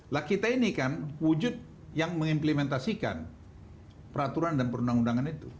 lah kita ini kan wujud yang mengimplementasikan peraturan dan perundang undangan itu